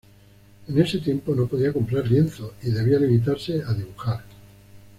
En este tiempo no podía comprar lienzo, y debía limitarse a dibujar.